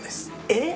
えっ！？